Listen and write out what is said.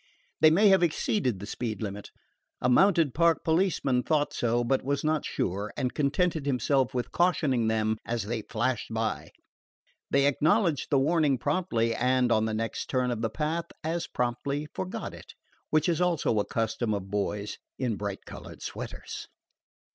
They may have exceeded the speed limit. A mounted park policeman thought so, but was not sure, and contented himself with cautioning them as they flashed by. They acknowledged the warning promptly, and on the next turn of the path as promptly forgot it, which is also a custom of boys in bright colored sweaters.